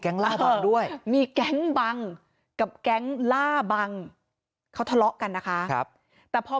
แก๊งล่าต่อนี่แก๊งบังกับแก๊งล่าบังเขาทะเลาะกันนะคะพอ